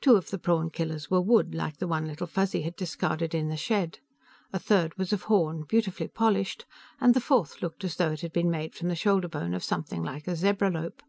Two of the prawn killers were wood, like the one Little Fuzzy had discarded in the shed. A third was of horn, beautifully polished, and the fourth looked as though it had been made from the shoulder bone of something like a zebralope.